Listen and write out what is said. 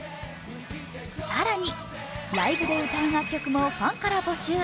更に、ライブで歌う楽曲もファンから募集。